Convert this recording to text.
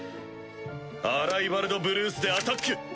アライヴァルドブルースでアタック！